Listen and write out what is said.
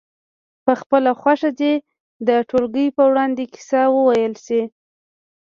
په خپله خوښه دې د ټولګي په وړاندې کیسه وویل شي.